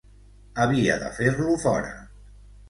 Havia de fer-lo fora.